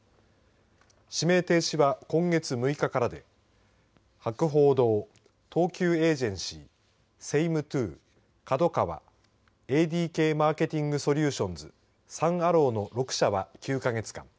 指名停止は今月６日からで博報堂、東急エージェンシーセイムトゥー、ＫＡＤＯＫＡＷＡＡＤＫマーケティング・ソリューションズサン・アローの６社は９か月間。